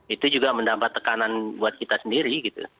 itu juga mendapat tekanan buat kita sendiri